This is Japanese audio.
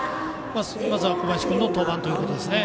まずは小林君の登板ということですね。